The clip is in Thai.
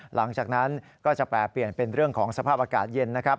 หลังจากนั้นก็จะแปรเปลี่ยนเป็นเรื่องของสภาพอากาศเย็นนะครับ